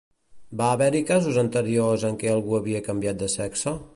Va haver-hi casos anteriors en què algú havia canviat de sexe?